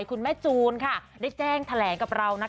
คุณแม่จูนได้แจ้งแถลงกับเรา